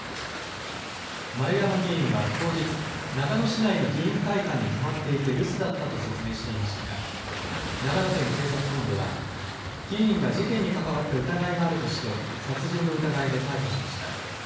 丸山議員は当日、長野市内の議員会館に泊まっていて留守だったと説明していましたが、長野県警察本部は、議員が事件に関わった疑いがあるとして、殺人の疑いで逮捕しました。